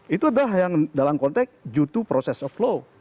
itu adalah yang dalam konteks due to process of law